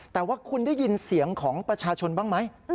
แต่ว่าคุณได้ยินเสียงของประชาชนบ้างไหม